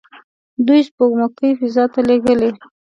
دوی سپوږمکۍ فضا ته لیږلي.